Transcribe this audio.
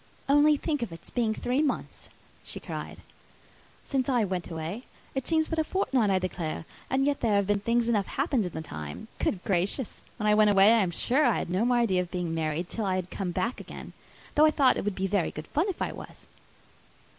"Only think of its being three months," she cried, "since I went away: it seems but a fortnight, I declare; and yet there have been things enough happened in the time. Good gracious! when I went away, I am sure I had no more idea of being married till I came back again! though I thought it would be very good fun if I was."